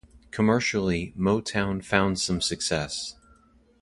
Commercially, "Motown" found some success.